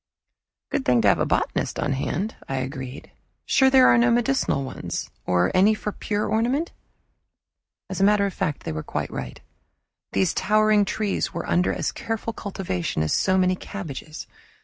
"Good thing to have a botanist on hand," I agreed. "Sure there are no medicinal ones? Or any for pure ornament?" As a matter of fact they were quite right. These towering trees were under as careful cultivation as so many cabbages.